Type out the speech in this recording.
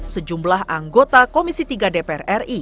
sejumlah anggota komisi tiga dpr ri